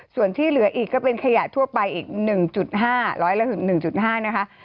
ส่วนที่เหลืออีกก็เป็นขยะทั่วไปอีก๑๕๐๐๑๕นะคะ